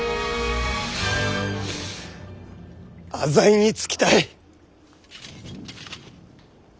浅井につきたい！